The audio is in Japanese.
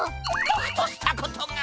ボクとしたことが。